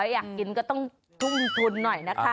อยากกินก็ต้องทุ่มทุนหน่อยนะคะ